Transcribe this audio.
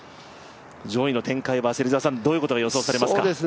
上位の展開はどういうことが予想されますか？